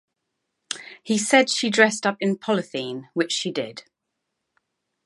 He said she dressed up in polythene, which she did.